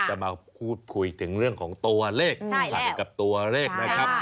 จะมาพูดคุยถึงเรื่องของตัวเลขสงสัยกับตัวเลขนะครับ